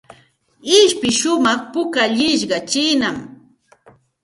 Ishpi shumaq pukallishqa chiinam.